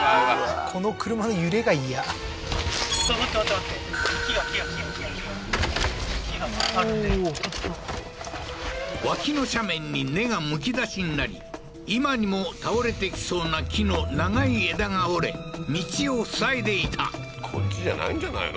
この車の揺れが嫌木があるんで脇の斜面に根がむき出しになり今にも倒れてきそうな木の長い枝が折れ道を塞いでいたこっちじゃないんじゃないの？